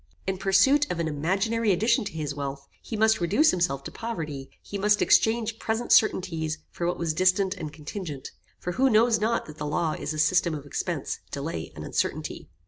In pursuit of an imaginary addition to his wealth, he must reduce himself to poverty, he must exchange present certainties for what was distant and contingent; for who knows not that the law is a system of expence, delay and uncertainty?